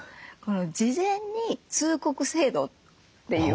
事前に通告制度っていうのを設けて。